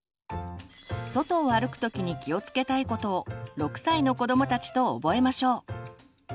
外を歩くときに気をつけたいことを６歳の子どもたちと覚えましょう。